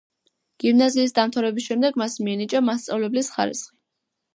გიმნაზიის დამთავრების შემდეგ მას მიენიჭა მასწავლებლის ხარისხი.